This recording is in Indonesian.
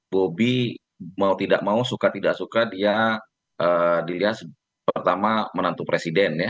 bobi mau tidak mau suka tidak suka dia dilihat pertama menantu presiden ya